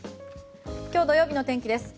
今日、土曜日の天気です。